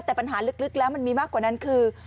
แต่ปัญหาลึกแล้วมันมีมากกว่านั้นคือ